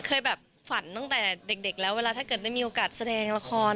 เคยแบบฝันตั้งแต่เด็กแล้วเวลาถ้าเกิดได้มีโอกาสแสดงละคร